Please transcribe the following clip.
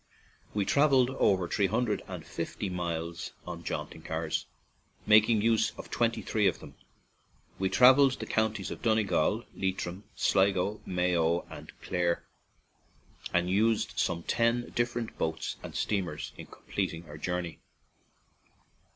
We traveled over three hundred and fifty miles on jaunting cars, making use of twenty three of them. We traversed the counties of Donegal, Leitrim, Sligo, Mayo, and Clare, and used some ten different boats and steamers in completing our journey.